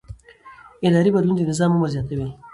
اداري بدلون د نظام عمر زیاتوي